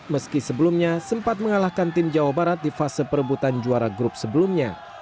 meski sebelumnya sempat mengalahkan tim jawa barat di fase perebutan juara grup sebelumnya